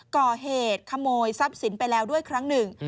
ก่อเหตุขโมยทรัพย์สินไปแล้วด้วยครั้งหนึ่ง